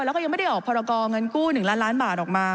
แล้วก็ยังไม่ได้ออกพรกรเงินกู้๑ล้านล้านบาทออกมา